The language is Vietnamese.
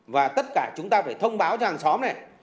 và tất cả chúng ta phải thông báo cho hàng xóm này